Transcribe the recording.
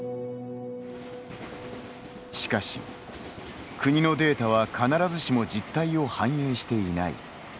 しかし、国のデータは必ずしも実態を反映していない。